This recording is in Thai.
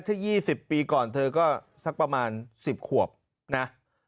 ถ้า๒๐ปีก่อนเธอก็สักประมาณ๑๐ขวบนะ